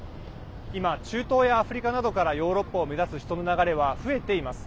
今、中東やアフリカなどからヨーロッパを目指す人の流れは増えています。